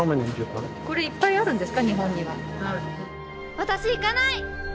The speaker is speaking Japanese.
私行かない！